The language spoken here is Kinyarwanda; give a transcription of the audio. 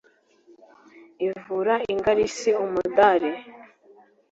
ivura ingarisi umudari